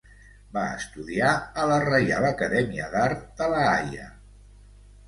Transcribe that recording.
Va estudiar a la Reial Acadèmia d'Art de La Haia.